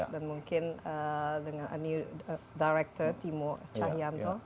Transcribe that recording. dan mungkin dengan director timo cahyanto